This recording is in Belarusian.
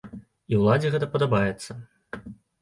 І ўладзе гэта падабаецца.